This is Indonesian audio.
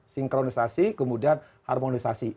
sinkronisasi kemudian harmonisasi